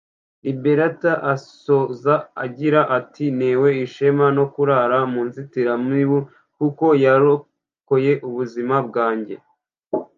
Liberata asoza agira ati” Ntewe ishema no kurara mu nzitiramibu kuko yarokoye ubuzima bwanjye